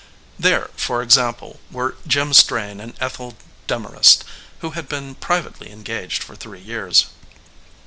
There, for example, were Jim Strain and Ethel Demorest, who had been privately engaged for three years.